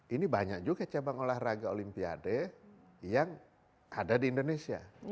ini banyak juga cabang olahraga olimpiade yang ada di indonesia